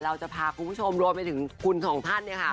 เราจะพาคุณผู้ชมรวมไปถึงคุณสองท่านเนี่ยค่ะ